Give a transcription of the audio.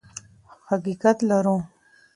حقیقت لرو.